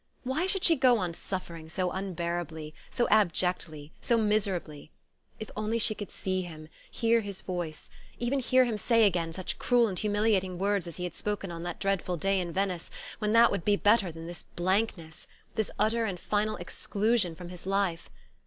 Why should she go on suffering so unbearably, so abjectly, so miserably? If only she could see him, hear his voice, even hear him say again such cruel and humiliating words as he had spoken on that dreadful day in Venice when that would be better than this blankness, this utter and final exclusion from his life!